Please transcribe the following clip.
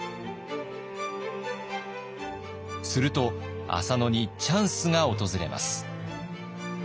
すると浅野にチャンスが訪れます。